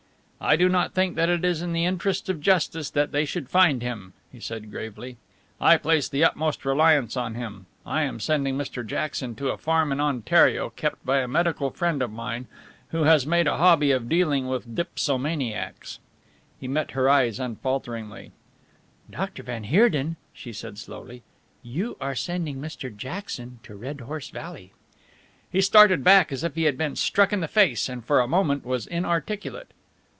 "I do not think that it is in the interests of justice that they should find him," he said gravely. "I place the utmost reliance on him. I am sending Mr. Jackson to a farm in Ontario kept by a medical friend of mine who has made a hobby of dealing with dipsomaniacs." He met her eyes unfalteringly. "Dr. van Heerden," she said slowly, "you are sending Mr. Jackson to Red Horse Valley." He started back as if he had been struck in the face, and for a moment was inarticulate.